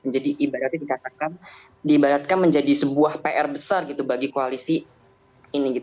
jadi ibaratnya dikatakan menjadi sebuah pr besar bagi koalisi ini